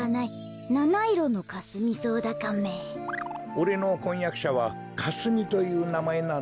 おれのこんやくしゃはかすみというなまえなんだよ。